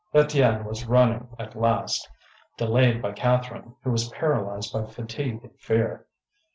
Étienne was running last, delayed by Catherine, who was paralysed by fatigue and fear.